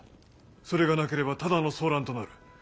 それがなければただの争乱となる。